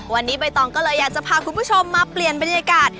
วันนี้ใบตองก็เลยอยากจะพาคุณผู้ชมมาเปลี่ยนบรรยากาศ